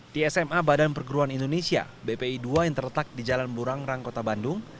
di sma badan perguruan indonesia bpi dua yang terletak di jalan burang rang kota bandung